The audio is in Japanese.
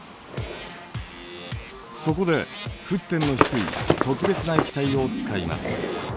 そこで沸点の低い特別な液体を使います。